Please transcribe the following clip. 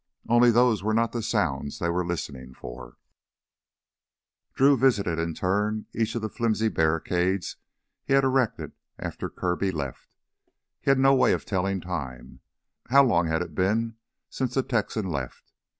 Only those were not the sounds they were listening for. Drew visited in turn each of the flimsy barricades he had erected after Kirby left. He had no way of telling time. How long had it been since the Texan left?